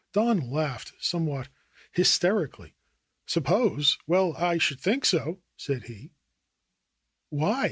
Don laughed somewhat hysterically. "Suppose ! Well, I should think so !" said he. "Why